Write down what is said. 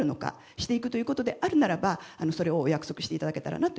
していくということであるならばお約束していただけたらなと。